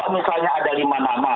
misalnya ada lima nama